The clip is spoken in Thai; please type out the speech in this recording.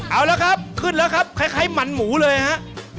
เอาละครับขึ้นแล้วครับคล้ายมันหมูเลยฮะ